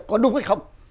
có đúng hay không